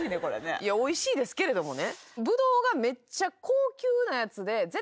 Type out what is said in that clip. おいしいですけれどもね。